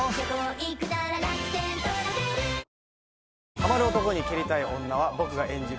「『ハマる男に蹴りたい女』は僕が演じる